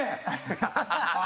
ハハハハ！